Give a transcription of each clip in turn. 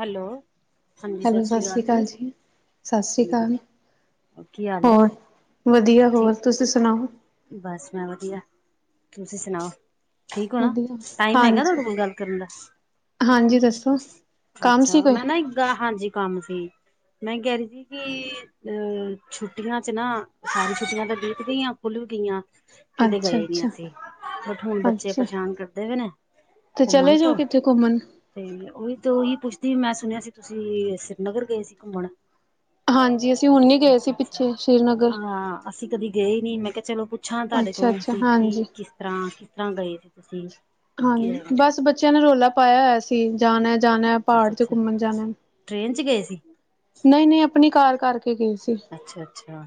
Hello. Hello Sat Sri ਅਕਾਲ ਜੀ ਸਤਿ ਸ੍ਰੀ ਅਕਾਲ ਹਾਂਜੀ ਕੀ ਹਾਲ ਹੈ ਹੋਰ ਵਧੀਆ, ਹੋਰ ਠੀਕ ਤੁਸੀਂ ਸੁਣਾਓ। ਬਸ ਮੈਂ ਵਧੀਆ, ਤੁਸੀਂ ਸੁਣਾਓ। ਠੀਕ ਹੋ ਨਾ, ਵਧੀਆ ਟਾਈਮ ਹੈਗਾ ਹਾਂਜੀ ਤੁਹਾਡੇ ਕੋਲ ਗੱਲ ਕਰਨ ਦਾ। ਹਾਂਜੀ ਦੱਸੋ ਕੰਮ ਸੀ ਅੱਛਾ, ਕੋਈ ਮੈਂ ਨਾ ਇੱਕ ਆ ਹਾਂਜੀ, ਕੰਮ ਸੀ। ਮੈਂ ਕਹਿ ਰਹੀ ਸੀ ਕਿ ਅ ਛੁੱਟੀਆਂ ਚ ਨਾ, ਸਾਰੀ ਛੁੱਟੀਆਂ ਤਾਂ ਬੀਤ ਗਈਆਂ। ਕੁੁੱਲ [unintelligible] ਕੀਆਂ ਕਿਤੇ ਅੱਛਾ ਗਏ ਨੀ ਅੱਛਾ ਅਸੀਂ, ਹੁਣ ਬੱਚੇ ਅੱਛਾ ਪਰੇਸ਼ਾਨ ਕਰਦੇ ਵ ਨੇ। ਤੇ ਘੁੰਮਣ ਚਲੇ ਜਾਓ ਤੋਂ ਕਿੱਤੇ ਘੁੰਮਣ। ਤੇ ਉਹੀ ਤੇ ਉਹੀ ਪੁੱਛਦੀ, ਮੈਂ ਸੁਣਿਆ ਸੀ, ਤੁਸੀਂ ਸ੍ਰੀਨਗਰ ਗਏ ਸੀ ਘੁੰਮਣ। ਹਾਂਜੀ। ਅਸੀਂ ਹੁਣੀ ਗਏ ਸੀ ਅੱਛਾ-ਅੱਛਾ। ਪਿੱਛੇ ਸ਼੍ਰੀਨਗਰ। ਹਾਂ ਅਸੀਂ ਕਦੇ ਗਏ ਨੀ। ਮੈਂ ਕਿਆ ਚਲੋ ਪੁੱਛਾਂ ਤੁਹਾਡੇ ਅੱਛਾ ਕੋਲੋ ਅੱਛਾ ਸੀ ਕਿ ਹਾਂਜੀ ਕਿਸ ਤਰ੍ਹਾਂ, ਕਿਸ ਤਰ੍ਹਾਂ ਗਏ ਸੀ ਤੁਸੀਂ? ਹਾਂ ਬਸ ਬੱਚਿਆਂ ਨੇ ਰੌਲਾ ਪਾਇਆ ਹੋਇਆ ਸੀ, ਜਾਣਾ-ਜਾਣਾ ਪਹਾੜ 'ਚ ਅੱਛਾ-ਅੱਛਾ ਘੁੰਮਣ ਜਾਣਾ। ਟ੍ਰੇਨ 'ਚ ਗਏ ਸੀ। ਨਹੀਂ-ਨਹੀਂ ਆਪਣੀ ਕਾਰ ਕਰਕੇ। ਗਏ ਸੀ ਅੱਛਾ-ਅੱਛਾ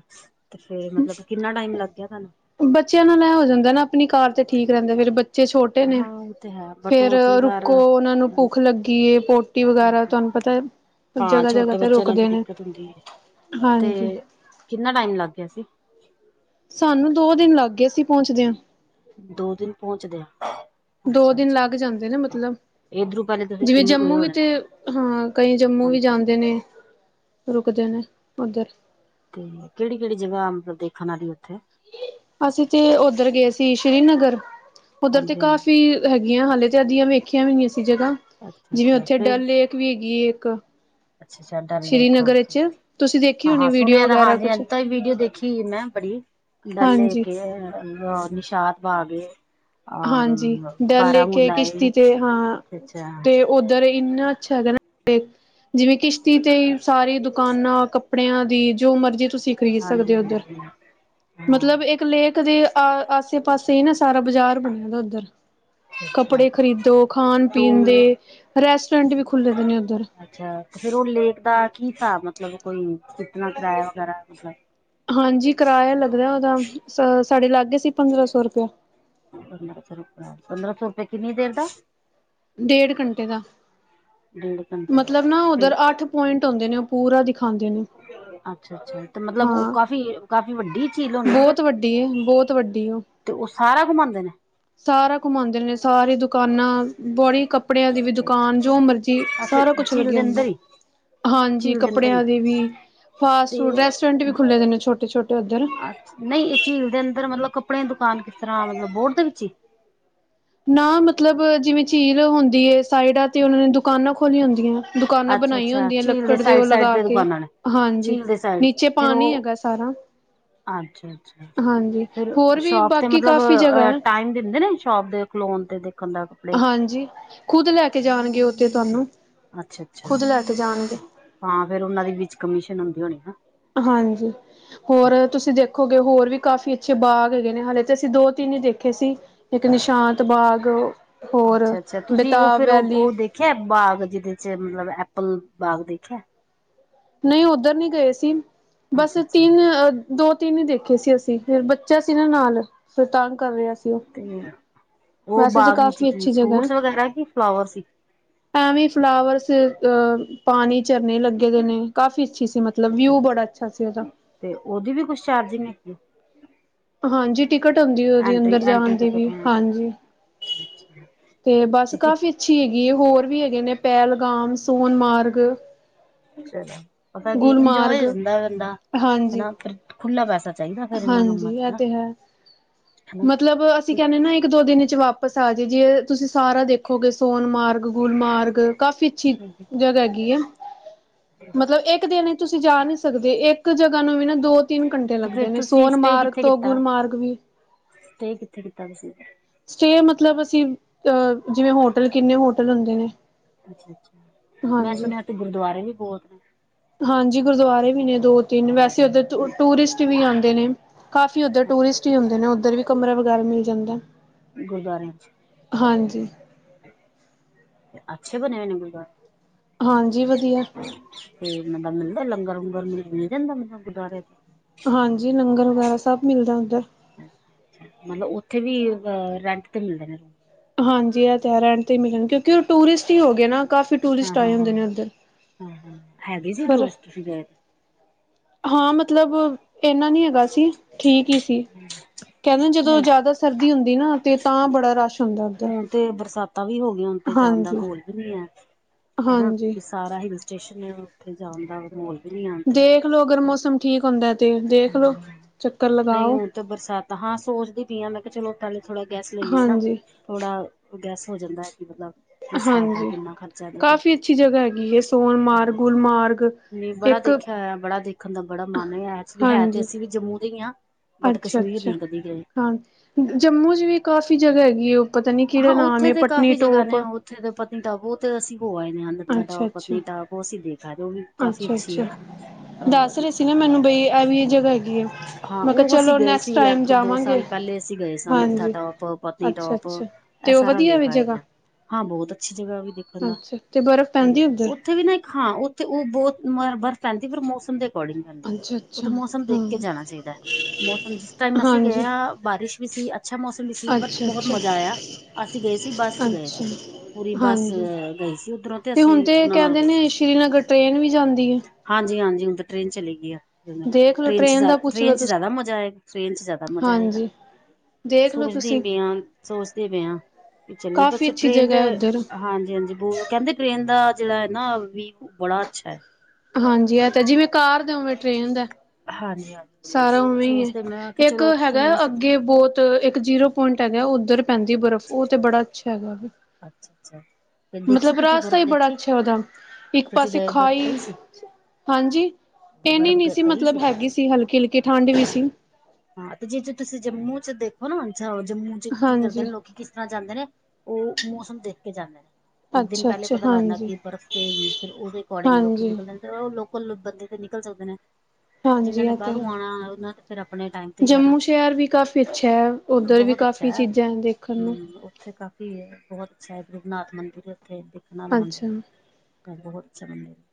ਤੇ ਫੇਰ ਮਤਲਬ ਕਿੰਨਾ ਟਾਈਮ ਲੱਗ ਗਿਆ ਤੁਹਾਨੂੰ? ਬੱਚਿਆਂ ਨਾਲ ਐ ਹੋ ਜਾਂਦਾ ਨਾ ਆਪਣੀ ਕਾਰ ਤੇ ਠੀਕ ਰਹਿੰਦਾ ਫਿਰ ਬੱ ਬੱਚੇ ਛੋਟੇ ਨੇ, ਹਾਂ ਉਹ ਤੇ ਹੈ ਬਟ ਉਹ ਫੇਰ ਆਪਣੀ ਕਾਰ ਰੁਕੋ, ਉਹਨਾ ਨੂੰ ਭੁੱਖ ਹਾਂਜੀ ਲੱਗੀ ਏ ਪ। ਟੀ ਵਗੈਰਾ ਹਾਂ-ਹਾਂ। ਤੁਹਾਨੂੰ ਪਤਾ ਐ। ਹਾਂ ਛੋਟੇ ਬੱਚਿਆਂ ਨਾਲ ਤੇ ਦਿੱਕਤ ਹੁੰਦੀ ਹੈ ਤੇ ਹਾਂਜੀ ਕਿੰਨਾ ਟਾਈਮ ਲੱਗ ਗਿਆ ਸੀ? ਸਾਨੂੰ ਦੋ ਦਿਨ ਲੱਗ ਗਏ ਅਸੀਂ ਪਹੁੰਚਦੇ ਹਾਂ ਦੋ ਦਿਨ ਪਹੁੰਚਦੇਆਂ ਦੋ ਦਿਨ ਲੱਗ ਜਾਂਦੇ ਨੇ ਮਤਲਬ ਇਧਰੋਂ ਪਹਿਲੇ ਤੁਸੀਂ ਜਿਵੇਂ ਗਏ ਜੰਮੂ ਵੀ ਹੋਣੇ ਤੇ ਨਾ। ਹਾਂ ਕਈ ਜੰਮੂ ਵੀ ਹਾਂਜੀ-ਹਾਂਜੀ। ਜਾਂਦੇ ਨੇ ਰੁਕਦੇ ਨੇ ਉੱਧਰ ਤੇ ਕਿਹੜੀ ਕਿਹੜੀ ਜਗ੍ਹਾ ਮਤਲਬ ਦੇਖਣ ਵਾਲੀ ਉੱਥੇ ਅਸੀਂ ਤੇ ਉੱਧਰ ਗਏ ਸੀ ਸ਼੍ਰੀਨਗਰ ਉੱਧਰ ਤੇ ਹਾਂਜੀ ਹਾਂਜੀ ਕਾਫੀ ਹੈਗੀਆਂ ਹਲੇ ਤਾਂ ਅੱਧੀਆਂ ਵੇਖੀਆਂ ਵੀ ਨਹੀਂ ਸੀ ਜਗ੍ਹਾ ਅੱਛਾ ਜਿਵੇਂ ਅੱਛਾ ਉੱਥੇ ਫਿਰ ਡਲ ਲੇਕ ਵੀ ਹੈਗੀ ਹੈਏ ਇੱਕ ਅੱਛਾ ਅੱਛਾ ਡਲ ਲੇਕ ਸ੍ਰੀਨਗਰ ਹਾਂਜੀ ਵਿੱਚ ਤੁਸੀਂ ਦੇਖੀ ਹਾਂ ਹਾਂ ਹੋਣੀ ਵੀਡੀਓ ਸੁਣਿਆ ਤਾਂ ਵਗੈਰਾ ਹਾਂਜੀ ਕੁਛ ਇਦ ਤਾਂ ਵੀ ਵੀਡੀਓ ਦੇਖੀ ਮੈਂ ਬੜੀ ਡੱਲ ਹਾਂਜੀ ਕੇ ਨਿਸ਼ਾਦ ਬਾਗੇ ਔਰ ਹਾਂਜੀ ਡਲ ਲੇਕ ਏ ਬਾਰਾਮੂਲਾ ਅੱਛਾ ਅੱਛਾ ਉਧਰ ਇੰਨਾ ਅੱਛਾ ਹੈਗਾ ਨਾ ਜਿਵੇਂ ਕਿਸ਼ਤੀ ਤੇ ਸਾਰੀ ਦੁਕਾਨਾਂ ਕੱ ਕੱਪੜਿਆਂ ਦੀ ਜੋ ਮਰਜੀ ਤੁਸੀਂ ਖ਼ਰੀਦ ਸਕਦੇ ਹਾਂਜੀ ਹੋ ਉੱਧਰ ਹਾਂਜੀ ਹਾਂ ਮਤਲਬ ਇੱਕ ਲੇਖ ਦੇ ਆ ਆਸੇ ਪਾਸੇ ਨਾ ਸਾਰਾ ਕੁਛ ਬਣਿਆ ਦਾ ਉੱਧਰ ਅੱਛਾ ਕੱਪੜੇ ਖਰੀਦੋ ਖਾਣ ਪੀਣ ਦੇ ਤੂੰ ਰੈਸਟੋਰੈਂਟ ਵੀ ਖੁੱਲ੍ਹੇ ਦੇ ਨੇ ਉੱਧਰ ਅੱਛਾ ਤੇ ਫੇਰ ਉਹ ਲੇਕ ਦਾ ਕੀ ਹਿਸਾਬ ਮਤਲਬ ਕੋਈ ਕਿਤਨਾ ਕਿਰਾਇਆ ਵਗੈਰਾ ਹਾਂਜੀ ਕਿਰਾਇਆ ਲੱਗਦਾ ਉਹਦਾ ਸਾਡੇ ਲੱਗ ਗਏ ਸੀ ਪੰਦਰਾਂ ਸੌ ਰੁਪਇਆ ਪੰਦਰਾ ਸੌ ਰੁਪਏ ਪੰਦਰਾ ਸੌ ਰੁਪਏ ਕਿੰਨੀ ਦੇਰ ਦਾ? ਡੇਢ ਘੰਟੇ ਦਾ ਡੇਢ ਘੰਟੇ ਦਾ ਮਤਲਬ ਨਾ ਓਧਰ ਫਿਰ ਅੱਠ ਪੁਆਇੰਟ ਹੁੰਦੇ ਨੇ ਓ ਪੂਰਾ ਦਿ ਖਾਂਦੇ ਨੇ ਅੱਛਾ ਅੱਛਾ ਤੇ ਮਤਲਬ ਓ ਹਾਂ ਕਾਫੀ ਕਾਫੀ ਵੱਡੀ ਝੀਲ ਹੋਣੀ ਏ ਫੇਰ ਬਹੁਤ ਵੱਡੀ ਏ, ਬਹੁਤ ਵੱਡੀ ਉਹ ਤੇ ਔ ਸਾਰਾ ਘੁਮਾਉਂਦੇ ਨੇ ਸਾਰਾ ਘੁਮਾਉਂਦੇ ਨੇ ਸਾਰੀ ਦੁਕਾਨਾਂ ਬੜੀ ਕੱਪੜਿਆਂ ਦੀ ਵੀ ਦੁਕਾਨ ਜੋ ਮਰਜੀ ਅੱਛਾ ਸਾਰਾ ਕੁਛ ਝੀਲ ਲੱਗਿਆ ਦੇ ਹੁੰਦਾ ਅੰਦਰ ਹੀ ਹਾਂਜੀ ਝੀਲ ਦੇ ਅੰਦਰ ਕੱਪੜਿਆਂ ਹੀ ਦੀ ਵੀ ਫਾਸਟ ਤੇ ਫੂਡ ਰੈਸਟੋਰੈਂਟ ਵੀ ਖੁੱਲੇ ਦੇ ਨੇ ਛੋਟੇ ਛੋਟੇ ਓਧਰ ਨਹੀਂ ਝੀਲ ਦੇ ਅੰਦਰ ਮਤਲਬ ਕੱਪੜੇਆਂ ਦੀ ਦੁਕਾਨ ਕਿਸ ਤਰ੍ਹਾਂ ਮਤਲਬ ਬੋਟ ਦੇ ਵਿੱਚ ਈ ਨਾ ਮਤਲਬ ਜਿਵੇਂ ਝੀਲ ਹੁੰਦੀ ਏ ਸਾਈਡਾਂ ਤੇ ਓਨਾਂ ਨੇ ਦੁਕਾਨਾਂ ਖੋਲੀਆਂ ਹੁੰਦੀਆਂ ਐ ਦੁਕਾਨਾਂ ਅੱਛਾ ਬਣਾਈਆਂ ਅੱਛਾ ਹੁੰਦੀਆਂ ਝੀਲ ਲੱਕੜ ਦੇ ਸਾਈਡ ਓ ਸਾਈਡ ਲਗਾ ਤੇ ਕੇ ਦੁਕਾਨਾਂ ਨੇ ਹਾਂਜੀ ਝੀਲ ਦੇ ਸਾਈਡ ਨੀਚੇ ਫਿਰ ਪਾਣੀ ਉਹ ਹੈਗਾ ਸਾਰਾ ਅੱਛਾ ਅੱਛਾ ਹਾਂਜੀ ਫਿਰ ਹੋਰ ਵੀ ਸ਼ੋਪ ਤੇ ਬਾਕੀ ਮਤਲਬ ਕਾਫ਼ੀ ਜਗ੍ਹਾ ਹੈ ਟਾਈਮ ਦਿੰਦੇ ਨੇ ਸ਼ੋਪ ਦੇ ਖਲੋਣ ਤੇ ਦੇਖਣ ਦਾ ਕੱਪੜੇ ਹਾਂਜੀ ਖੁੱਦ ਲੈ ਕੇ ਜਾਣਗੇ ਓ ਤੇ ਤੁਹਾਨੂੰ ਅੱਛ ਅੱਛਾ ਖੁਦ ਲੈ ਕੇ ਜਾਣਗੇ ਹਾਂ ਫੇਰ ਓਨਾਂ ਦੀ ਵਿੱਚ ਕਮਿਸ਼ਨ ਹੁੰਦੀ ਹੋਣੀ ਨਾ ਹਾਂਜੀ ਹੋਰ ਤੁਸੀਂ ਦੇਖੋਗੇ ਹੋਰ ਵੀ ਕਾਫੀ ਅੱਛੇ ਬਾਗ ਹੈਗੇ ਨੇ ਹਾਲੇ ਤੇ ਅਸੀਂ ਦੋ ਤਿੰਨ ਹੀ ਦੇਖੇ ਸੀ। ਇੱਕ ਨਿਸ਼ਾਂਤ ਬਾਗ ਹੋਰ ਅੱਛਾ ਅੱਛਾ ਤੁਸੀਂ ਉਹ ਬੇਤਾਬ ਫੇਰ ਉਹ ਵੈਲੀ ਉਹ ਦੇਖਿਆ ਬਾਗ ਜਿਹਦੇ ਚ ਮਤਲਬ ਐਪਲ ਬਾਗ ਦੇਖਿਆ ਨਹੀਂ ਉੱਧਰ ਨਹੀਂ ਗਏ ਸੀ ਬਸ ਅੱਛਾ ਅੱਛਾ ਤਿੰਨ ਦੋ ਤਿੰਨ ਹੀ ਦੇਖੇ ਸੀ ਅਸੀਂ ਫਿਰ ਬੱਚਾ ਸੀ ਨਾ ਨਾਲ ਫਿਰ ਤੰਗ ਕਰ ਰਿਹਾ ਸੀ ਉਹ ਤੇ ਓ ਵੈਸੇ ਤਾਂ ਬਾਗ਼ ਵਿੱਚ ਕਾਫ਼ੀ ਕੀ ਅੱਛੀ ਜਗ੍ਹਾ ਹੈ। ਫਰੂਟਸ ਵਗੈਰਾ ਕੀ ਫਲਾਵਰ ਸੀ? ਐਵੇਂ ਈ ਫਲਾਵਰਸ ਅ ਪਾਣੀ ਝਰਨੇ ਲੱਗੇ ਦੇ ਨੇ ਕਾਫ਼ੀ ਅੱਛੀ ਸੀ ਮਤਲਬ ਵਿਊ ਬੜਾ ਅੱਛਾ ਸੀ ਔਦਾ ਤੇ ਓਦੀ ਵੀ ਕੁਛ ਚਾਰਜਿੰਗ ਹੈਗੀ ਹਾਂਜੀ। ਟਿਕਟ ਹੁੰਦੀ ਓਦੀ ਐਂਟਰੀ ਅੰਦਰ ਐਂਟਰੀ ਜਾਣ ਦੀ ਟਿਕਟ ਵੀ ਹੈ ਹਾਂਜੀ ਅੱਛਾ ਅੱਛਾ ਤੇ ਬੱਸ ਕਾਫੀ ਅਛੀ ਹੈਗੀ ਏ ਹੋਰ ਵੀ ਹੈਗੇ ਨੇ ਪਹਿਲਗਾਮ, ਸੋਨਮਾਰਗ ਚਲੋ, ਪਤਾ ਕੀ ਇੰਜੋਏ ਗੁਲਮਾਰਗ ਹੋ ਜਾਂਦਾ ਏ ਬੰਦਾ ਹਾਂਜੀ ਹਨਾ ਫੇਰ ਖੁੱਲ੍ਹਾ ਪੈਸਾ ਚਾਹੀਦਾ ਫੇਰ ਏਨਾਂ ਕੰਮਾ ਹਾਂਜੀ ਚ ਇਹ ਨਾ। ਤੇ ਹੈ ਹਨਾ ਮਤਲਬ ਅਸੀ ਕਹਿੰਨੇ ਨਾ ਏਕ ਦੋ ਦਿਨ ਚ ਵਾਪ ਪਸਾ ਜੇ, ਜੇ ਤੁਸੀ ਸਾਰਾ ਦੇਖੋਗੇ ਸੋਨਮਾਰਗ, ਗੁਲਮਾਰਗ ਕਾਫੀ ਅੱਛੀ ਤੇ ਜਗ੍ਹਾ ਹੈਗੀ ਐ ਮਤਲਬ ਏਕ ਦਿਨ ਤੁਸੀ ਜਾ ਨੀ ਸਕਦੇ ਏਕ ਜਗ੍ਹਾ ਨੂੰ ਵੀ ਨਾ ਦੋ ਤਿੰਨ ਘੰਟੇ ਫੇਰ ਲੱਗਦੇ ਨੇ ਤੁਸੀਂ ਸਟੇ ਸੋਨਮਾਰਗ ਕਿੱਥੇ ਤੋਂ ਕੀਤਾ ਗੁਲਮਾਰਗ ਵੀ। ਸਟੇ ਕਿੱਥੇ ਕੀਤਾ ਤੁਸੀ? ਸਟੇ ਮਤਲਬ ਅਸੀ ਅ ਜਿਵੇ ਹੋਟਲ ਕਿੰਨੇ ਹੋਟਲ ਹੁੰਦੇ ਨੇ। ਅੱਛਾ-ਅੱਛਾ ਮੈਂ ਹਾਂਜੀ ਸੁਣਿਆ ਤੇ ਗੁਰਦੁਆਰੇ ਵੀ ਬੋਤ ਹਾਂਜੀ ਗੁਰਦੁਆਰੇ ਵੀ ਨੇ ਦੋ ਤਿੰਨ ਵੈਸੇ ਓਧਰ ਟ ਟੂਰਿਸਟ ਵੀ ਆਂਦੇ ਨੇ। ਕਾਫੀ ਓਧਰ ਅੱਛਾ ਟੂਰਿਸਟ ਹੀ ਹੁੰਦੇ ਨੇ ਓਧਰ ਵੀ ਕਮਰੇ ਵਗੈਰਾ ਮਿਲ ਜਾਂਦਾ। ਗੁਰਦੁਆਰਿਆਂ ਚ। ਹਾਂਜੀ। ਅੱਛੇ ਬਣੇ ਹੋਏ ਨੇ ਗੁਰਦੁਆਰੇ? ਹਾਂਜੀ ਵਧੀਆ। ਤੇ ਮਗਰ‌ ਮਿਲਦਾ ਲੰਗਰ-ਲੂੰਗਰ ਮਿਲ ਮਿਲ ਜਾਂਦਾ ਮਤਲਬ ਗੁਰਦੁਆਰੇ ਚ। ਹਾਂਜੀ ਲੰਗਰ ਵਗੈਰਾ ਸਭ ਮਿਲਦਾ ਉਧਰ। ਮਤਲਬ ਓਥੇ ਵੀ ਅ ਰੈਂਟ ਤੇ ਮਿਲਦੇ ਨੇ ਹਾਂਜੀ ਐ ਤੇ ਹੈ ਰੈਂਟ ਤੇ ਈ ਮਿਲਣਗੇ ਕਿਉਂਕਿ ਓ ਟੂਰਿਸਟ ਈ ਹੋ ਗਏ ਨਾ। ਕਾਫੀ ਟੂਰਿਸਟ ਹਾਂ-ਹਾਂ, ਆਏ ਹੁੰਦੇ ਨੇ ਉੱਧਰ ਹਾਂ-ਹਾਂ, ਹਾਂ ਹੈਗੀ ਸੀ ਪਰ ਟੁਰਿਸਟ ਤੁਸੀ ਗਏ ਤੇ। ਹਾਂ ਮਤਲਬ ਏਨਾ ਨੀ ਹੈਗਾ ਸੀ ਠੀਕ ਈ ਸੀ। ਕਹਿੰਦੇ ਜਦੋਂ ਹੂੰ ਜਾਦਾ ਸਰਦੀ ਹੁੰਦੀ ਨਾ ਤੇ ਤਾਂ ਬੜਾ ਰਸ਼ ਹੁੰਦਾ ਉੱਧਰ। ਤਾਂ ਵੀ ਹੋ ਗਈਆ ਹੁਣ ਤੇ ਜਾਣ ਦਾ ਹਾਂਜੀ, ਮਾਹੌਲ ਵੀ ਨੀ ਹੈ। ਹਨਾ ਹਾਂਜੀ। ਕਿਉਂਕਿ ਸਾਰਾ ਹਿਲ ਸਟੇਸ਼ਨ ਉੱਥੇ ਜਾਣ ਦਾ ਮਾਹੌਲ ਵੀ ਨੀ ਹੈ ਹੁਣ ਤੇ ਦੇਖ ਲੋ ਅਗਰ ਮੌਸਮ ਠੀਕ ਹੁੰਦੈ ਤੇ ਦੇਖ ਲੋੋ ਚੱਕਰ ਲਗਾ ਆਓ। ਬਰਸਾਤਾ ਹਾ ਸੋਚਦੀ ਪਈ ਆ ਮੈਂ ਕਿਹਾ ਚਲੋ ਥੋੜ੍ਹਾ ਗੈਸ ਲਈਏ ਨਾ। ਹਾਂਜੀ ਥੋੜ੍ਹਾ ਗੈਸ ਹੋ ਜਾਂਦਾ ਮਤਲਬ ਕਿਸ ਹਿਸਾਬ ਦਾ ਹਾਂਜੀ ਕਿੰਨਾ ਖਰਚਾ ਇਹਦੇ ਕੋਲ ਕਾਫ਼ੀ ਅੱਛੀ ਜਗ੍ਹਾ ਹੈਗੀ ਏ ਸੋਨਮਾਰਗ, ਗੁਲਮਾਰਗ। ਨੀ ਬੜਾ ਇੱਕ ਦੇਖਿਆ ਹੋਇਆ ਬੜਾ ਦੇਖਣ ਦਾ ਬੜਾ ਮਨ ਏ ਐਕਚੂੱਅਲੀ ਹੈ ਤੇ ਅਸੀਂ ਵੀ ਜੰਮੂ ਦੇ ਹੀ ਹਾਂ। ਬਟ ਕਸ਼ਮੀਰ ਅੱਛਾ-ਅੱਛਾ ਨਹੀਂ ਕਦੀ ਗਏ ਹਾਂ ਜੰਮੂ ਚ ਵੀ ਕਾਫ਼ੀ ਜਗ੍ਹਾ ਹੈਗੀ ਏ ਉਹ ਪਤਾ ਨੀ ਹਾ, ਕਿਹੜਾ ਨਾਮ ਉੱਥੇ ਹੈ ਤੇ ਪਟਨੀ ਕਾਫ਼ੀ ਜਗ੍ਹਾ ਨੇ ਟੋਪ ਉੱਥੇ ਤੇ ਪਤਨੀਟਾਪ ਉਥੇ ਅਸੀ ਹੋ ਆਏ ਹਾਂ ਨੱਥਾ ਟਾਪ, ਪਤਨੀਟਾਪ। ਉਹ ਅਸੀ ਦੇਖ ਆਏ ਉਹ ਵੀ ਕਾਫ਼ੀ ਅੱਛੀ ਅੱਛਾ-ਅੱਛਾ। ਹੈ ਦੱਸ ਅਹ ਰਹੇ ਸੀ ਨਾ ਮੈਨੂੰ ਬਈ ਐ ਵੀ ਇਹ ਜਗ੍ਹਾ ਹੈਗੀ ਏ ਹਾਂ ਮੈਂ ਕਿਹਾ ਉਹ ਅਸੀਂ ਚਲੋ ਗਏ ਸੀ ਨੈਕਸਟ ਅੱਜ ਟਾਈਮ ਤੋਂ ਦੋ ਜਾਵਾਂਗੇ। ਸਾਲ ਪਹਿਲੇ ਅਸੀ ਗਏ ਸਾ ਨੱਥਾ ਹਾਂਜੀ ਟੋਪ, ਪਤਨੀ ਅੱਛਾ ਟੋਪ। ਅੱਛਾ ਇਹ ਤੇ ਉਹ ਸਾਰਾ ਵਧੀਆ ਵੇਖ ਵੀ ਆਏ ਜਗ੍ਹਾ ਆ, ਹਾਂ ਬਹੁਤ ਅੱਛੀ ਜਗ੍ਹਾ ਵੀ ਦੇਖਣ ਦਾ ਅੱਛਾ ਤੇ ਬਰਫ਼ ਪੈਂਦੀ ਤੇ ਉੱਧਰ ਓਥੇ ਵੀ ਨਾ ਇਕ ਹਾਂ ਓਥੇ ਓ ਬੋਤ ਮ ਬਰਫ਼ ਪੈਂਦੀ ਪਰ ਮੌਸਮ ਦੇ ਅਕੋਰਡਿੰਗ ਪੈਂਦੀਐ। ਅੱਛਾ-ਅੱਛਾ ਓਥੇ ਮੌਸਮ ਦੇਖ ਕੇ ਹਾਂ, ਜਾਣਾ ਚਾਹੀਦਾ। ਮੌਸਮ ਜਿਸ ਟਾਈਮ ਅਸੀ ਗਏ ਹਾਂਜੀ ਆ ਬਾਰਿਸ਼ ਵੀ ਸੀ ਅੱਛਾ ਮੌਸਮ ਵੀ ਸੀ ਬਟ ਬੋਹਤ ਅੱਛਾ-ਅੱਛਾ, ਮਜ਼ਾ ਆਇਆ। ਅਸੀ ਗਏ ਸੀ ਬੱਸ ਚ ਗਏ ਅੱਛਾ। ਸੀ। ਪੂਰੀ ਬੱਸ ਹਾਂਜੀ, ਗਈ ਸੀ ਉੱਧਰੋਂ ਤੇ ਹੁਣ ਅਸੀਂ ਤੇ ਉਹਨਾਂ ਨਾਲ ਕਹਿੰਦੇ ਨੇ ਸ਼੍ਰੀਨਗਰ ਟ੍ਰੇਨ ਵੀ ਜਾਂਦੀ ਏ। ਹਾਂਜੀ, ਹਾਂਜੀ-ਹਾਂਜੀ ਹੁਣ ਤਾਂ ਟ੍ਰੇਨ ਚਲੀ ਗਈ ਏ ਦੇਖ ਲੋ ਟ੍ਰੇਨ ਚ ਦਾ ਪੁੱਛ ਲੋ ਟ੍ਰੇਨ ਚ ਤੁਸੀਂ ਜਾਦਾ ਮਜ਼ਾ ਏ। ਟ੍ਰੇਨ ਚ ਜਾਦਾ ਮਜ਼ਾ ਆਏਗਾ ਹਾਂਜੀ ਦੇਖ ਲੋ ਸੋਚਦੀ ਤੁਸੀਂ ਪਈ ਆ, ਸੋਚਦੇ ਪਏ ਹਾਂ। ਚੱਲੀ ਬਸ ਕਾਫ਼ੀ ਅੱਛੀ ਟ੍ਰੇਨ ਜਗ੍ਹਾ ਤੇ ਹੈ ਉੱਧਰ ਹਾਂਜੀ-ਹਾਂਜੀ। ਕਹਿੰਦੇ ਟ੍ਰੇਨ ਦਾ ਜਿਹੜਾ ਹੈ ਨਾ ਵੀ ਬੜਾ ਅੱਛਾ ਹੈ। ਹਾਂਜੀ ਆ ਤੇ ਜਿਵੇਂ ਕਾਰ ਦੇ ਉਵੇਂ ਟ੍ਰੇਨ ਦੇ। ਹਾਂ ਸਾਰਾ ਉਵੇਂ ਹੀ ਏ ਇੱਕ ਹੈਗਾ ਸੁਣਿਆ ਸੀ ਅੱਗੇ ਬਹੁਤ ਇੱਕ ਜੀਰੋ ਪੁਆਇੰਟ ਹੈਗਾ ਉੱਧਰ ਪੈਂਦੀ ਬਰਫ਼ ਉਹ ਤੇ ਬੜਾ ਅੱਛਾ ਹੈਗਾ ਵੇ। ਅੱਛਾ, ਅੱਛਾ। ਮਤਲਬ ਰਾਸਤਾ ਹੀ ਬੜਾ ਅੱਛੈ ਉਹਦਾ ਇੱਕ ਤੁਸੀਂ ਪਾਸੇ ਗਏ ਬਰਫ਼ ਖਾਈ ਪਈ ਸੀ ਹਾਂਜੀ, ਇਹਨੀ ਨੀ ਬਰਫ਼ ਸੀ ਪਈ ਮਤਲਬ ਹੈਗੀ ਸੀ ਹਲਕੀ, ਹਲਕੀ ਠੰਡ ਵੀ ਸੀ। ਹਾਂ ਤੇ ਜੇ, ਜੇ ਤੁਸੀਂ ਜੰਮੂ ਚ ਦੇਖੋ ਨਾ ਜੰਮੂ ਚ ਕੀ ਕਰਦੇ ਹਾਂਜੀ ਨੇ ਲੋਕੀ ਕਿਸ ਜਾਂਦੇ ਨੇ ਉਹ ਮੌਸਮ ਦੇਖ ਕੇ ਜਾਂਦੇ ਨੇ। ਇਕ ਦਿਨ ਅੱਛਾ ਪਹਿਲੇ ਅੱਛਾ ਪਤਾ ਲੱਗ ਜਾਂਦਾ ਹਾਂਜੀ ਕਿ ਬਰਫ਼ ਪਏਗੀ ਫਿਰ ਉਹਦੇ ਅਕੋਡਿੰਗ ਲੋਕ ਹਾਂਜੀ ਨਿਕਲਦੇ ਨੇ। ਐ ਲੋਕਲ ਬੰਦੇ ਤੇ ਨਿਕਲ ਸਕਦੇ ਨੇ ਜਿਹਨਾਂ ਹਾਂਜੀ ਨੇ ਇਹ ਤਾਂ ਬਾਹਰੋਂ ਹੈ ਆਣਾ ਉਹਨਾਂ ਤੇ ਫਿਰ ਆਪਣੇ ਟਾਈਮ ਤੇ ਹੀ ਜਾਣਾ ਜੰਮੂ ਸ਼ਹਿਰ ਵੀ ਕਾਫ਼ੀ ਅੱਛਾ ਹੈ ਉੱਧਰ ਵੀ ਬਹੁਤ ਅੱਛਾ ਕਾਫੀ ਚੀਜ਼ਾਂ ਹੈ ਦੇਖਣ ਨੂੰ। ਹਮ ਉੱਥੇ ਕਾਫ਼ੀ ਬਹੁਤ ਅੱਛਾ ਹੈ ਰਘੁਨਾਥ ਮੰਦਿਰ ਹੈ ਉੱਥੇ ਦੇਖਣ ਵਾਲਾ ਅੱਛਾ ਮੰਦਿਰ ਹੈ। ਬਹੁਤ ਅੱਛਾ ਮੰਦਿਰ ਹੈ।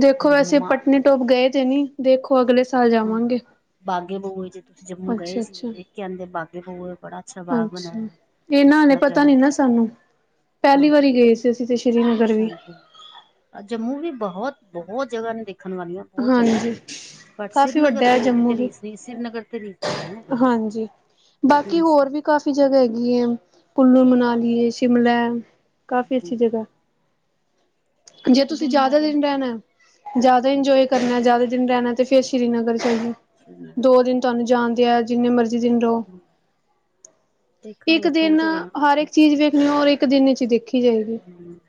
ਦੇਖੋ ਫਿਰ ਵੈਸੇ ਮਮਾ ਪਤਨੀਟੋਪ ਗਏ ਤੇ ਨੀ, ਦੇਖੋ ਅਗਲੇ ਸਾਲ ਹਾਂ ਜਾਵਾਂਗੇ। ਬਾਗੇ ਬਊਏ ਜੇ ਤੁਸੀਂ ਜਮੂ ਗਏ ਅੱਛਾ ਸੀ ਅੱਛਾ ਦੇਖਕੇ ਆਂਦੇ ਬਾਗੇ ਬਹੂ ਬੜਾ ਬਾਗ ਬਣਿਆ ਅੱਛਾ, ਹੋਇਆ ਇਹਨਾਂ ਹਲੇ ਬੜਾ ਪਤਾ ਪਿਆਰਾ ਨੀ ਨਾ ਸਾਨੂੰ ਹਾਂ ਪਹਿਲੀ ਵਾਰੀ ਗਏ ਸੀ। ਤੁਸੀਂ ਤੇ ਸ਼੍ਰੀਨਗਰ ਵੀ ਅ ਜੰਮੂ ਵੀ ਬਹੁਤ, ਬਹੁਤ ਜਗ੍ਹਾ ਨੇ ਦੇਖਣ ਵਾਲੀਆਂ। ਬਹੁਤ ਜ਼ਿਆਦਾ ਹਾਂਜੀ। ਪਰ ਕਾਫ਼ੀ ਸ੍ਰੀਨਗਰ ਵੱਡਾ ਹੈ ਤੇ ਉਹਦੀ ਜੰਮੂ ਤੇ ਵੀ ਰੀਸ ਨਹੀਂ ਸ੍ਰੀਨਗਰ ਤੇ ਰੀਸ ਨਹੀਂ ਹੈ। ਹਾਂਜੀ ਉਹਦੀ ਬਾਕੀ ਰੀਸ ਹੋਰ ਵੀ ਨਹੀਂ ਕਾਫ਼ੀ ਜਗ੍ਹਾ ਹੈਗੀ ਏ ਕੁੱਲੂ ਮਨਾਲੀ ਏ‌ ਸ਼ਿਮਲਾ ਕਾਫੀ ਅੱਛੀ ਜਗ੍ਹਾ ਜੇ ਕੁੱਲੂ ਤੁਸੀਂ ਜ਼ਿਆਦਾ ਮਨਾਲੀ ਦਿਨ ਰਹਿਣੈ ਜ਼ਿਆਦਾ ਇੰਜੋਏ ਕਰਨਾ ਜ਼ਿਆਦਾ ਦਿਨ ਰਹਿਣੈ ਤੇ ਫਿਰ ਸ੍ਰੀਨਗਰ ਚਲੇਜੋ। ਸ੍ਰੀਨਗਰ ਦੋ ਜਾਈਏ ਦਿਨ ਤੁਹਾਨੂੰ ਫਿਰ ਜਾਣਦੇ ਆ, ਜਿੰਨੇ ਮਰਜ਼ੀ ਦਿਨ ਰਹੋ। ਇੱਕ ਦੇਖਾਂਗੇ ਦਿਨ ਸੋਚ ਰਹੇ ਹਾਂ ਕੁਛ ਹਰ ਇੱਕ ਚੀਜ਼ ਵੇਖਣੀ ਹੋ। ਔਰ ਇੱਕ ਦਿਨ ਹੀ ਦੇਖੀ ਜਾਏਗੀ। ਹਮ [inaudible]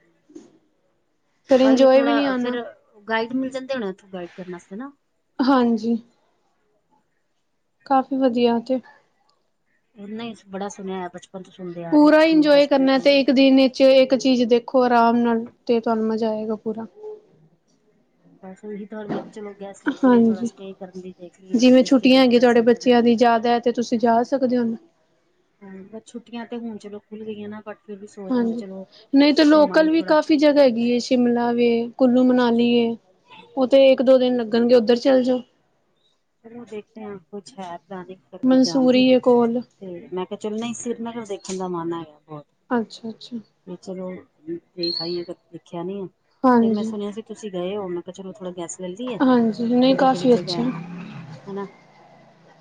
ਫਿਰ ਬਾਈ ਇੰਜੋਏ ਵੀ ਨਹੀਂ ਥੋੜਾ ਆਉਣਾ। ਫਿਰ ਗਾਈਡ ਮਿਲ ਜਾਂਦੇ ਹੋਣੇ, ਉੱਥੋਂ ਗਾਈਡ ਕਰਨ ਵਸਤੇ ਨਾ। ਹਾਂਜੀ ਕਾਫੀ ਵਧੀਆ ਏ 'ਤੇ- ਉਹਨਾਂ ਹੀ ਬੜਾ ਸੁਣਿਆ ਏ, ਬਚਪਨ ਤੋਂ ਸੁਣਦੇ ਆ ਪੂਰਾ ਰਹੇ ਇੰਜੋਏ ਬਚਪਨ ਕਰਨਾ ਤੋਂ- ਤੇ ਇੱਕ ਦਿਨ ਵਿਚ ਇੱਕ ਚੀਜ਼ ਦੇਖੋ, ਆਰਾਮ ਨਾਲ 'ਤੇ ਤੁਹਾਨੂੰ ਮਜ਼ਾ ਆਏਗਾ ਪੂਰਾ। ਬਸ ਉਹੀ ਤੁਹਾਨੂੰ ਮੈਂ ਕਿਹਾ ਚਲੋ ਗੈਸ ਮਿਲਦੀ ਏ। ਥੋੜਾ ਹਾਂਜੀ ਸਟੇ ਕਰਨ ਦੀ ਦੇਖ ਲਈਏ, ਜਿਵੇਂ ਕਿੱਥੇ ਸਟੇ ਛੁੱਟੀਆਂ ਹੈਗੀ ਤੁਹਾਡੇ ਫਸਲ ਤੋ ਬਾਅਦ ਬੱਚਿਆਂ - ਦੀ ਜ਼ਿਆਦਾ ਹੈ 'ਤੇ ਤੁਸੀਂ ਜਾ ਸਕਦੇ ਹੋ, ਹੁਣ - ਹਾਂ, ਬਸ ਛੁੱਟੀਆਂ 'ਤੇ ਹੁਣ ਚਲੋ, ਖੁੱਲ ਗਈਆਂ ਨਾ ਬਟ- ਫਿਰ ਵੀ ਸੋਚਦੇ ਵੀ ਹਾਂਜੀ, ਚਲੋ ਨਹੀਂ ਤਾਂ ਘੁੰਮ ਆਈਏ ਲੋਕਲ ਵੀ ਥੋੜਾ ਕਾਫ਼ੀ ਜਗ੍ਹਾ ਹੈਗੀ ਏ। ਸ਼ਿਮਲਾ ਵੇ ਕੁੱਲੂ ਮਨਾਲੀ ਏ, ਉੱਥੇ ਇੱਕ ਦੋ ਦਿਨ ਲੱਗਣਗੇ। ਉੱਧਰ ਚੱਲ ਜਾਓ। ਜ਼ਰੂਰ ਦੇਖਦੇ ਹੈ, ਕੁਛ ਹੈ ਤਾਂ ਨਈ ਮਨਸੂਰੀ ਏ ਕੋਲ। ਤੇ ਮੈਂ ਕਿਹਾ ਚਲ ਨਹੀਂ ਸ਼੍ਰੀਨਗਰ ਦੇਖਣ ਦਾ ਮਨ ਹੈਗਾ ਬਹੁਤ। ਅੱਛਾ, ਅੱਛਾ ਵੀ ਚਲੋ ਦੇ ਖਾਈਏ ਦੇਖਿਆ ਨੀ, ਫਿਰ ਮੈਂ ਹਾਂਜੀ ਸੁਣਿਆ ਸੀ। ਤੁਸੀਂ ਗਏ ਹੋ ਮੈਂ ਕਿਹਾ ਚਲੋ ਥੋੜਾ ਗੈੱਸ੍ਹ ਹਾਂਜੀ ਨਹੀਂ ਕਾਫੀ ਅੱਛਾ ਹੈਨਾ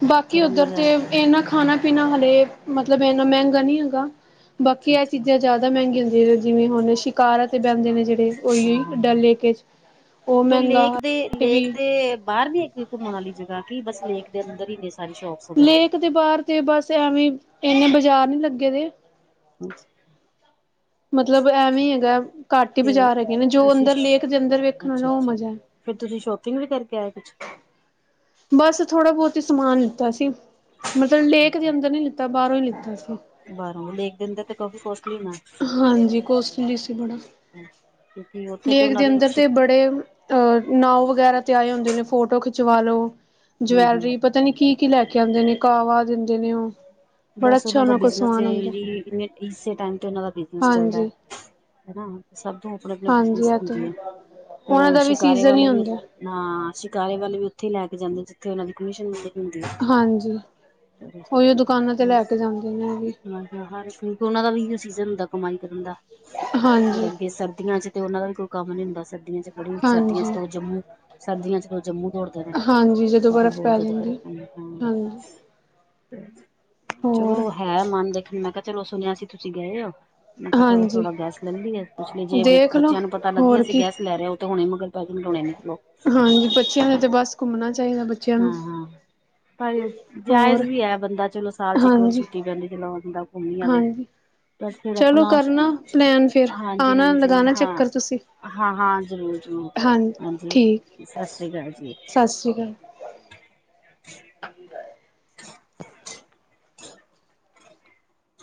ਬਾਕੀ ਉਧਰ ਤੇ ਇਨਾ ਖਾਣਾ-ਪੀਣਾ ਹਲੇ ਮਤਲਬ ਇੰਨਾ ਮਹਿੰਗਾ ਨੀ ਹੈਗਾ। ਬਾਕੀ ਅੱਛਾ ਇਹ ਚੀਜ਼ਾਂ ਅੱਛਾ ਜ਼ਿਆਦਾ ਮਹਿੰਗੀਆਂ ਹੁੰਦੀਆਂ ਨੇ, ਜਿਵੇਂ ਹੁਣ ਸ਼ਿਕਾਰਾ 'ਤੇ ਬਹਿੰਦੇ ਨੇ ਜਿਹੜੇ ਉਹੀ ਡਲ ਹਾਂ ਲੇਕਜ - ਉਹ ਮਹਿੰਗਾ ਲੇਕ ਦੇ ਹਟ ਲੇਕ ਵੀ - 'ਤੇ ਬਾਹਰ ਵੀ ਹੈਗੀ ਘੁੰਮਣ ਵਾਲੀ ਜਗ੍ਹਾ। ਕਿ ਬਸ ਲੇਕ ਦੇ ਅੰਦਰ ਹੀ ਨੇ ਸਾਰੀ ਸ਼ੋਪਸ ਵਗੈਰਾ। 'ਤੇ ਬਾਹਰ ਤੇ ਬਸ ਐਵੇਂ, ਇੰਨੇ ਬਾਜ਼ਾਰ ਨੀ ਲੱਗੇ ਦੇ- ਹਾਂਜੀ [inaudible] ਮਤਲਬ ਐਵੇਂ ਹੈਗਾ। ਘੱਟ ਹੀ ਬਾਜ਼ਾਰ ਹੈਗੇ ਨੇ, ਜੋ ਅੰਦਰ ਲੇਕ ਦੇ ਅੰਦਰ ਵੇਖਣਾ ਨਾ, ਉਹ ਮਜ਼ਾ ਹੈ। ਫੇਰ, ਤੁਸੀਂ ਸ਼ੋਪਿੰਗ ਵੀ ਕਰਕੇ ਆਏ ਕੁਛ- ਬਸ ਥੋੜਾ ਬਹੁਤ ਹੀ ਸਮਾਨ ਲਿੱਤਾ ਸੀ। ਮਤਲਬ ਲੇਕ ਦੇ ਅੰਦਰ ਨੀ ਲਿੱਤਾ। ਤਾਂ, ਬਾਹਰੋਂ ਈ ਲਿੱਤੀ ਸੀ। ਬਾਰੋ ਲੇਕ ਦੇ ਅੰਦਰ 'ਤੇ ਕਾਫੀ ਕੋਸਟਲੀ ਹੋਨਾ। ਹਾਂਜੀ, ਕੋਸਟਲੀ ਸੀ ਬੜਾ, ਕਿਉਂਕਿ ਉੱਥੇ ਤੇ ਲੇਕ ਉਹਨਾਂ ਦੇ ਦੀ ਅੰਦਰ 'ਤੇ ਬੜ ਹਮ ਤੇ ਅ ਨਾਉ ਵਗੈਰਾ 'ਤੇ ਆਏ ਹੁੰਦੇ ਨੇ, ਫੋਟੋ ਖਿਚਵਾ ਲੋ। ਹਮ ਜਵੈਲਰੀ ਪਤਾ ਨੀ ਕੀ-ਕੀ ਲੈ ਕੇ ਆਂਦੇ ਨੇ, ਕਾਵਾ ਦੇਂਦੇ ਨੇ ਓ। ਬਸ ਉਹਨਾਂ ਦਾ ਬਿਜਨਸ ਏ ਜੀ, ਬਸ ਇਸੇ ਟਾਈਮ 'ਤੇ ਉਹਨਾਂ ਦਾ ਬਿਜਨਸ ਚੱਲਦਾ, ਹਾਂਜੀ ਹਨਾ। ਸਭ ਦਾ ਅਪਨਾ ਅਪਨਾ ਹਾਂਜੀ ਬਿਜਨਸ ਇਹ ਤੇ ਦਿੰਦੀ ਹੈ, ਆ ਫਿਰ ਉਹਨਾਂ ਉਹ ਦਾ ਵੀ ਸ਼ਿਕਾਰੇ ਸੀਜ਼ਨ ਹੀ ਵਾਲੇ ਵੀ ਹੁੰਦਾ ਹਾਂ, ਸ਼ਿਕਾਰੇ ਵਾਲੇ ਵੀ ਉੱਥੇ ਹੀ ਲੈ ਕੇ ਜਾਂਦੇ ਜਿੱਥੇ ਉਹਨਾਂ ਦੀ ਕਮਿਸ਼ਨ ਹੁੰਦੀ। ਹਾਂਜੀ ਉਹੀਓ [unintelligible] ਦੁਕਾਨਾਂ 'ਤੇ ਲੈ ਬਸ ਕੇ ਜਾਂਦੇ ਨੇ ਹੈਗੇ। ਮੈਂ ਹਰ ਇੱਕ ਨੂੰ ਕਿਉਂਕਿ, ਉਹਨਾਂ ਦਾ ਵੀ ਇਹੋ ਸੀਜ਼ਨ ਹੁੰਦਾ ਕਮਾਈ ਕਰਨ ਦਾ, ਫੇਰ ਹਾਂਜੀ ਅੱਗੇ ਸਰਦੀਆਂ 'ਚ ਤੇ ਉਹਨਾਂ ਦਾ ਵੀ ਕੁਝ ਕੰਮ ਨੀ ਹੁੰਦਾ ਸਰਦੀਆਂ 'ਚ ਬੜੀ, ਸਰਦੀਆਂ 'ਚ ਹਾਂਜੀ ਤਾਂ ਉਹ ਜੰਮੂ, ਸਰਦੀਆਂ 'ਚ ਤਾਂ ਉਹ ਜੰਮੂ ਦੌੜਦੇ ਨੇ। ਤੇ ਜਦੋਂ ਉਹ ਵੀ ਬਰਫ਼ ਬਹੁਤ ਪੈ ਜ਼ਿਆਦਾ ਜਾਂਦੀ, ਬਰਫ਼ ਹੂੰ। ਚਲੋ ਹੈ ਮਨ ਦੇਖਨ, ਮੈਂ ਕਿਹਾ ਚਲੋ ਸੁਣਿਆ ਸੀ, ਤੁਸੀਂ ਗਏ ਹੋ? ਮੈਂ ਕਿਹਾ ਹਾਂਜੀ ਥੋੜਾ-ਥੋੜਾ ਗੈਸ ਲੈ ਲਈਏ, ਪੁੱਛ ਲਈਏ, ਜੇ ਦੇਖ ਲੋ ਬੱਚਿਆਂ ਨੂੰ ਪਤਾ ਲੱਗੇ ਹੋਰ ਅਸੀਂ ਕੀ ਗੈਸ ਲੈ ਰਹੇ ਤੇ ਉਹ ਤਾਂ ਹੁਨੇ ਮਗਰ ਪੈ ਜਾਣਗੇ ਹੁਣੇ ਨਿਕਲੋ ਹਾਂਜੀ, ਬੱਚਿਆਂ ਨੇ 'ਤੇ ਬਸ ਘੁੰਮਣਾ ਚਾਹੀਦਾ, ਬਚ ਹਾਂ-ਹਾਂ। [unintelligible] ਜਾਇਜ਼ ਹੋਰ ਵੀ ਏ, ਬੰਦਾ ਚਲੋ ਸਾਲ ਚ ਇੱਕ ਵਾਰ ਹਾਂਜੀ ਛੁੱਟੀ ਲੈ ਲੀ ਚਲੋ ਬੰਦਾ ਘੁੰਮ ਹੀ ਆਵੇ। ਹਾਂਜੀ ਬਟ ਫਿਰ ਚਲੋ ਆਪਣਾ ਕਰਨਾ ਪਲੈਨ ਫੇਰ, ਹਾਂਜੀ ਆਨਾਂ ਹਾਂਜੀ ਲਗਾਨਾਂ ਹਾਂ ਚੱਕਰ ਤੁਸੀਂ। ਹਾਂ ਹਾਂ ਜ਼ਰੂਰ ਜ਼ਰੂਰ ਹਾਂ, ਹਾਂਜੀ ਠੀਕ ਸਤਿ ਸ਼੍ਰੀ ਅਕਾਲ ਜੀ ਸਤਿ ਸ੍ਰੀ ਅਕਾਲ। [inaudible]